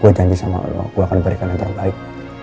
gua janji sama lo gua akan berikan yang terbaik